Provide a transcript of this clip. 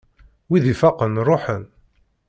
Wid ifaqen ṛuḥen!